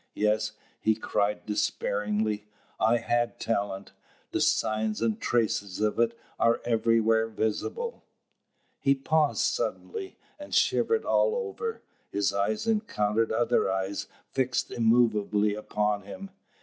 "Yes," he cried despairingly, "I had talent: the signs and traces of it are everywhere visible " He paused suddenly, and shivered all over. His eyes encountered other eyes fixed immovably upon him.